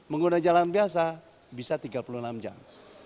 menggunakan jalan biasa bisa tiga puluh enam jam